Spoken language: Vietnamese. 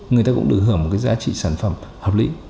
người ta cũng được hưởng một cái giá trị sản phẩm hợp lý